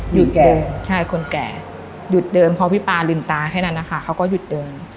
แก่ใช่คนแก่หยุดเดินพอพี่ป๊าลืมตาแค่นั้นนะคะเขาก็หยุดเดิน